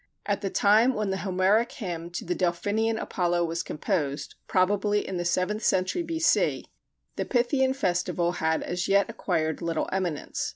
At the time when the Homeric Hymn to the Delphinian Apollo was composed (probably in the seventh century B.C.), the Pythian festival had as yet acquired little eminence.